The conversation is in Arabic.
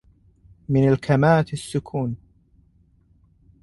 من الكماة السكون